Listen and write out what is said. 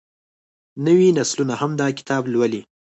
نوې نسلونه هم دا کتاب لولي.